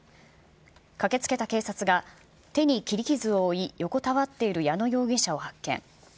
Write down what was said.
駆けつけた警察が、手に切り傷を負い、横たわっている矢野容疑者を発見。